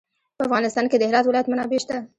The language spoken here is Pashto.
په افغانستان کې د هرات ولایت منابع شته.